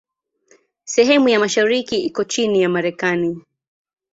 Sehemu ya mashariki iko chini ya Marekani.